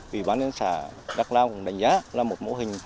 ủy ban nhân sả đắk plao cũng đánh giá là một mô hình